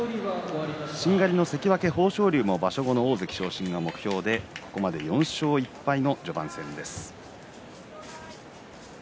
しんがりの関脇豊昇龍も場所後の大関昇進が目標でここまで４勝１敗の序盤戦です。